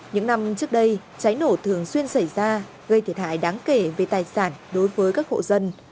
những năm trước đây cháy nổ thường xuyên xảy ra gây thiệt hại đáng kể về tài sản đối với các hộ dân